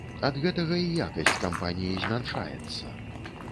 Ад гэтага і якасць кампаніі змяншаецца.